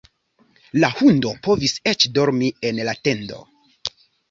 La hundo povis eĉ dormi en la tendo.